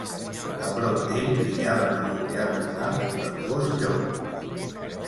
A prop d'ell brillaven els ullals blancs del gos llop.